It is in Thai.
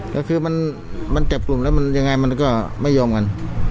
ก็คือมันจับกลุ่มแล้วมันยังไงมันก็ไม่ยอมกัน